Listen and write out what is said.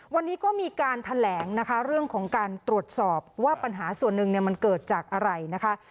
วันนี้ก็มีการแถลงนะคะเรื่องของการตรวจสอบว่าปัญหาส่วนหนึ่งมันเกิดจากอะไรนะคะ